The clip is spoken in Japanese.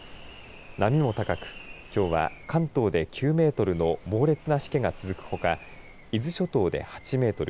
波も高くきょうは関東で９メートルの猛烈なしけが続くほか伊豆諸島で８メートル